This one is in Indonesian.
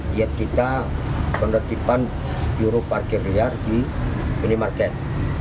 diet kita penertiban juru parkir liar di minimarket